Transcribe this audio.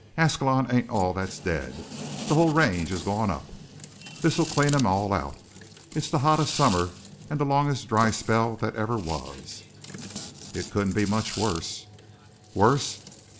Ascalon ain't all that's dead the whole range's gone up. This'll clean 'em all out. It's the hottest summer and the longest dry spell that ever was." "It couldn't be much worse." "Worse!"